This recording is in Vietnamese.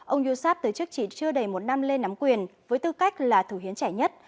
ông yosap từ chức chỉ chưa đầy một năm lên nắm quyền với tư cách là thủ hiến trẻ nhất